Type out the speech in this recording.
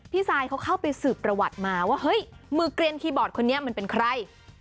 ซายเขาเข้าไปสืบประวัติมาว่าเฮ้ยมือเกลียนคีย์บอร์ดคนนี้มันเป็นใคร